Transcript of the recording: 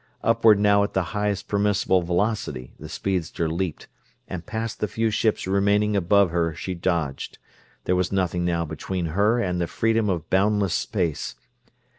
Upward now at the highest permissible velocity the speedster leaped, and past the few ships remaining above her she dodged; there was nothing now between her and the freedom of boundless space.